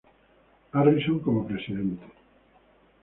Harrison como presidente.